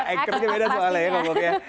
akernya beda soalnya ya